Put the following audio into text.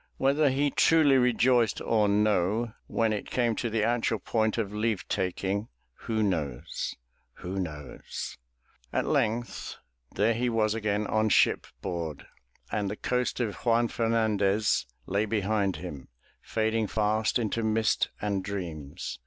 Whether he truly rejoiced or no, when it 352 THE TREASURE CHEST came to the actual point of leave taking who knows? Who knows? At length there he was again on shipboard and the coast of Juan Fernandez lay behind him, fading fast into mist and dreams.